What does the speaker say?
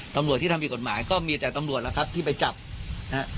ตำรวจที่ทำผิดกฎหมายก็มีแต่ตำรวจแล้วครับที่ไปจับนะฮะ